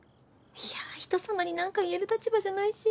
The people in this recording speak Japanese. いやあ人様になんか言える立場じゃないし。